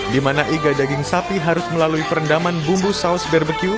dimana iga daging sapi harus melalui perendaman bumbu saus bbq